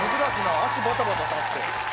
足バタバタさして。